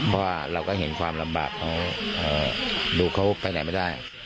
เพราะว่าเราก็เห็นความลำบากของลูกเขาไปไหนไม่ได้